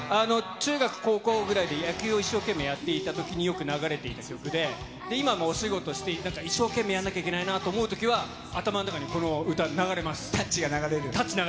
中学、高校ぐらいで野球を一生懸命やっていたときに、よく流れていた曲で、今もお仕事して、一生懸命やんなきゃいけないなと思うときは、タッチが流れる？